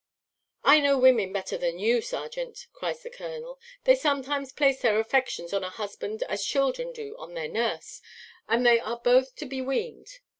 "I know women better than you, serjeant," cries the colonel; "they sometimes place their affections on a husband as children do on their nurse; but they are both to be weaned.